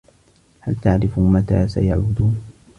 هل تعرف متى سيعودون؟